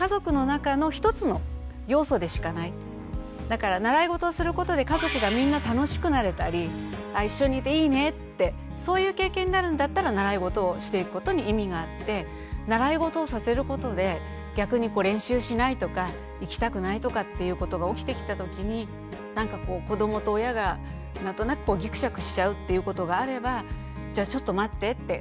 だから習いごとをすることで家族がみんな楽しくなれたりあ一緒にいていいねってそういう経験になるんだったら習いごとをしていくことに意味があって習いごとをさせることで逆に練習しないとか行きたくないとかっていうことが起きてきた時になんかこう子どもと親が何となくぎくしゃくしちゃうっていうことがあればじゃあちょっと待ってって。